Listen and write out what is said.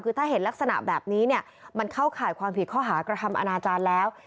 คือถ้าเห็นลักษณะแบบนี้เนี่ยมันเข้าข่ายความผิดข้อหากระทำอนาจารย์แล้ว